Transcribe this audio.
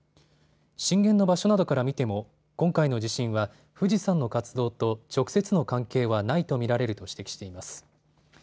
震源の場所などから見ても今回の地震は富士山の活動と直接の関係はないと見られると指摘しています。